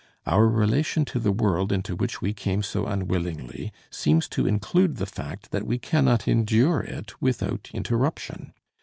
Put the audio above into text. Our relation to the world into which we came so unwillingly, seems to include the fact that we cannot endure it without interruption.